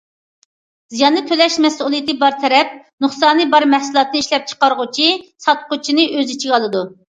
زىياننى تۆلەش مەسئۇلىيىتى بار تەرەپ- نۇقسانى بار مەھسۇلاتنى ئىشلەپچىقارغۇچى، ساتقۇچىنى ئۆز ئىچىگە ئالىدۇ.